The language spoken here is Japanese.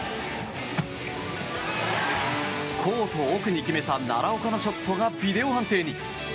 コート奥に決めた奈良岡のショットがビデオ判定に。